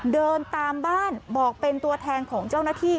เดินตามบ้านบอกเป็นตัวแทนของเจ้าหน้าที่